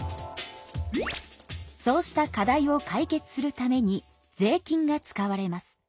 そうした課題を解決するために税金が使われます。